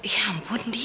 ya ampun dik